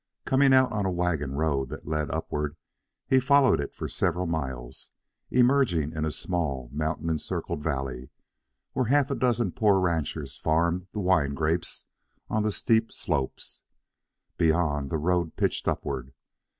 Coming out on a wagon road that led upward, he followed it for several miles, emerging in a small, mountain encircled valley, where half a dozen poor ranchers farmed the wine grapes on the steep slopes. Beyond, the road pitched upward.